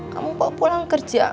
kamu bawa pulang kerja